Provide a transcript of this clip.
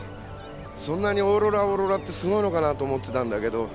そんなにオーロラオーロラってすごいのかなと思ってたんだけど